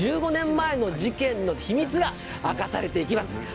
１５年前の事件の秘密が明かされていきます